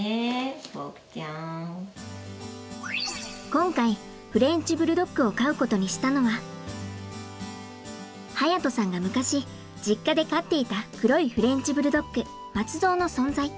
今回フレンチ・ブルドッグを飼うことにしたのは隼人さんが昔実家で飼っていた黒いフレンチ・ブルドッグ松蔵の存在。